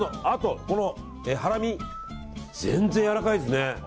あと、ハラミ全然やわらかいですね。